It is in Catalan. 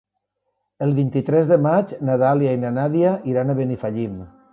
El vint-i-tres de maig na Dàlia i na Nàdia iran a Benifallim.